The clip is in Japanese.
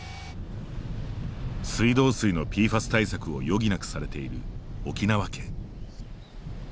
水道水のＰＦＡＳ対策を余儀なくされている沖縄県。